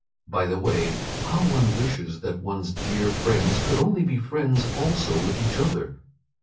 By the way, how one wishes that one's dear friends would only be friends also with each other.